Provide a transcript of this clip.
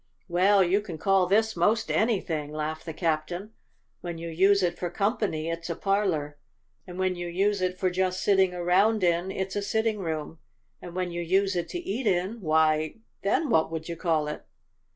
"Well, you can call this most anything," laughed the captain. "When you use it for company, it's a parlor; and when you use it for just sitting around in, it's a sitting room; and when you use it to eat in, why, then what would you call it?"